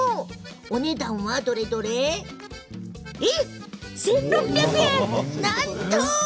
お値段はどれどれ１個１６００円！